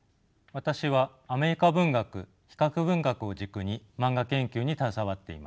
私はアメリカ文学比較文学を軸にマンガ研究に携わっています。